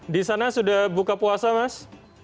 di sana sudah buka puasa mas